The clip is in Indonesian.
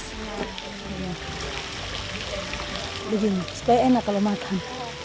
seperti ini supaya enak kalau makan